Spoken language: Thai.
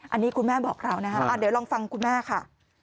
อันนี้คุณแม่บอกเรานะคะเดี๋ยวลองฟังคุณแม่ค่ะ